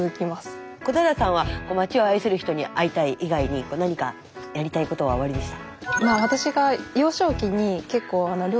小平さんは町を愛する人に会いたい以外に何かやりたいことはおありでした？